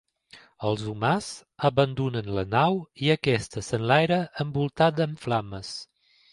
Els humans abandonen la nau, i aquesta s'enlaira envoltada en flames.